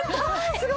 すごい。